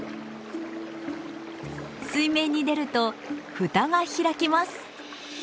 水面に出ると蓋が開きます。